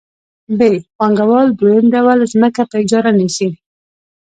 ب پانګوال دویم ډول ځمکه په اجاره نیسي